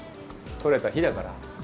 取れた日だから。